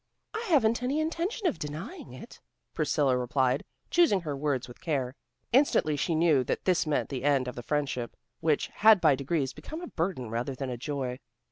"I haven't any intention of denying it," Priscilla replied, choosing her words with care. Instantly she knew that this meant the end of the friendship, which had by degrees become a burden rather than a joy.